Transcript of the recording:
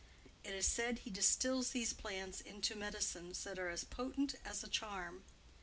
It is said that he distils these plants into medicines that are as potent as a charm.